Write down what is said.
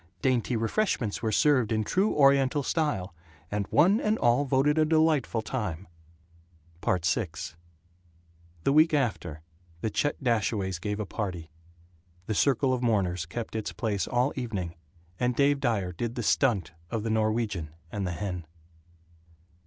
Dainty refreshments were served in true Oriental style, and one and all voted a delightful time. VI The week after, the Chet Dashaways gave a party. The circle of mourners kept its place all evening, and Dave Dyer did the "stunt" of the Norwegian and the hen.